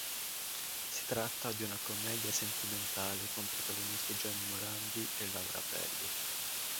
Si tratta di una commedia sentimentale con protagonisti Gianni Morandi e Laura Belli.